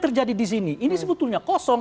terjadi di sini ini sebetulnya kosong